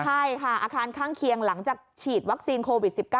ใช่ค่ะอาคารข้างเคียงหลังจากฉีดวัคซีนโควิด๑๙